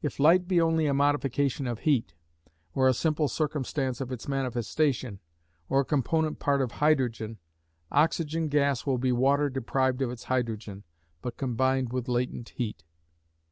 If light be only a modification of heat, or a simple circumstance of its manifestation, or a component part of hydrogen, oxygen gas will be water deprived of its hydrogen, but combined with latent heat.